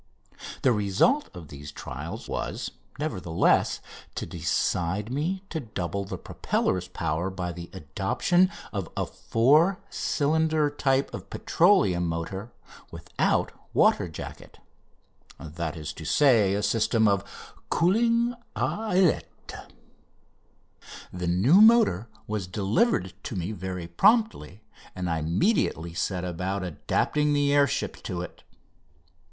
The result of these trials was, nevertheless, to decide me to double the propeller's power by the adoption of the four cylinder type of petroleum motor without water jacket that is to say, the system of cooling à ailettes. The new motor was delivered to me very promptly, and I immediately set about adapting the air ship to it.